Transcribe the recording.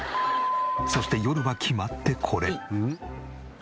そして夜は決まってこれ。